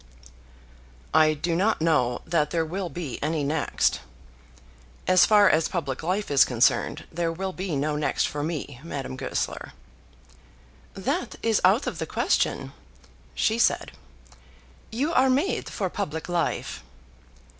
"I do not know that there will be any next. As far as public life is concerned, there will be no next for me, Madame Goesler." "That is out of the question," she said. "You are made for public life."